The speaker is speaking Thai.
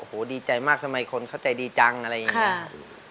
โอ้โหดีใจมากสมัยคนเขาใจดีจังอะไรอย่างเงี้ยค่ะ